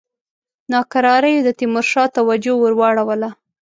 ناکراریو د تیمورشاه توجه ور واړوله.